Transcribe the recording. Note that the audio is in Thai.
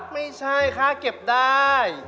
ไม่ใช่ค่าเก็บได้